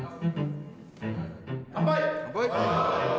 乾杯！